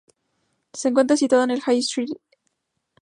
Se encuentra situado en el High Street, esquina con el Queen's Lane.